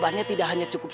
yang tadi menceleste